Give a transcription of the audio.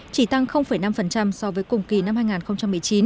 chỉ tăng năm so với cùng kỳ năm hai nghìn một mươi chín